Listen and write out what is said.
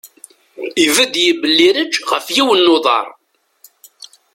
Ibedd yibellireǧ ɣef yiwen n uḍar.